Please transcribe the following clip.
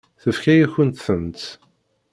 Tefka-yakent-tent.